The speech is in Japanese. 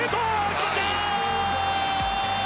決まったー！